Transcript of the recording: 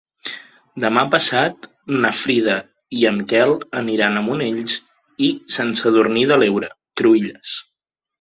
Demà passat na Frida i en Quel aniran a Monells i Sant Sadurní de l'Heura Cruïlles.